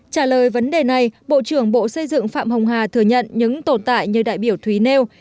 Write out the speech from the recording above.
trả lời vấn đề này bộ trưởng bộ xây dựng phạm hồng hà thừa nhận những tồn tại như đại biểu thúy nêu